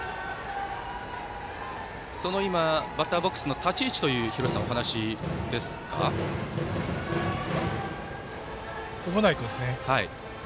今、バッターボックスの立ち位置という小保内君ですね。